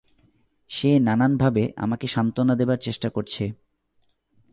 সেনানানভাবে আমাকে সত্ত্বনা দেবার চেষ্টা করছে।